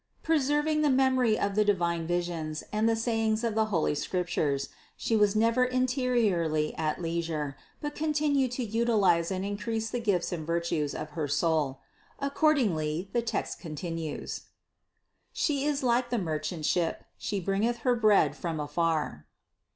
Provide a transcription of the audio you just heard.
Preserving the memory of the divine visions and the sayings of the holy Scriptures, She was never interiorly at leisure, but con tinued to utilize and increase the gifts and virtues of her soul. Accordingly the text continues: 779. "She is like the merchant ship, she bringeth her bread from afar."